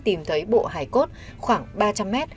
tìm thấy bộ hải cốt khoảng ba trăm linh mét